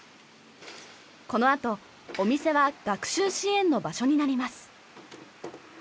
このあとお店は学習支援の場所になります。